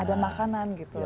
ada makanan gitu